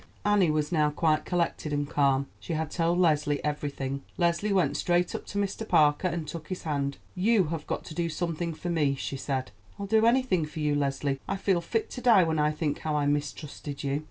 Annie was now quite collected and calm. She had told Leslie everything. Leslie went straight up to Mr. Parker, and took his hand. "You have got to do something for me," she said. "I'll do anything for you, Leslie; I feel fit to die when I think how I mistrusted you."